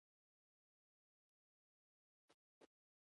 اته لس کاله نولس کاله شل کاله